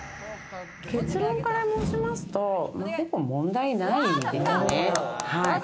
結論から申しますと、ほぼ問題ないですね。